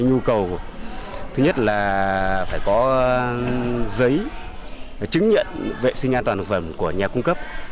nhu cầu thứ nhất là phải có giấy chứng nhận vệ sinh an toàn thực phẩm của nhà cung cấp